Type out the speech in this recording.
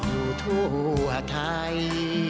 อยู่ทั่วไทย